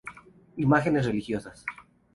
Imágenes Religiosas.